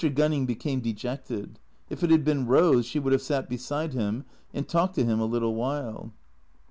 Gunning became dejected. If it had been Eose she would have sat beside him and talked to him a little while.